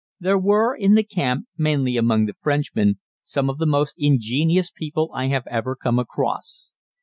There were in the camp, mainly among the Frenchmen, some of the most ingenious people I have ever come across.